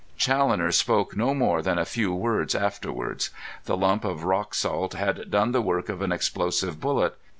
Challoner spoke no more than a few words afterwards. The lump of rock salt had done the work of an explosive bullet.